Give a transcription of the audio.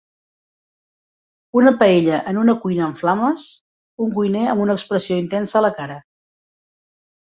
Una paella en una cuina en flames, un cuiner amb una expressió intensa a la cara